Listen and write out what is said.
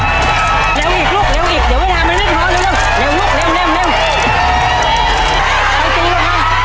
เร็วอีกเร็วอีกเร็วอีกเร็วเร็วเร็วเร็ว